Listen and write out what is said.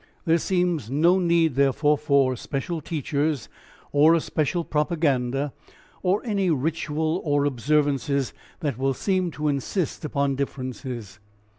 There seems no need therefore for special teachers or a special propaganda, or any ritual or observances that will seem to insist upon differences.